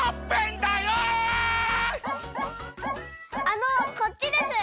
あのこっちです。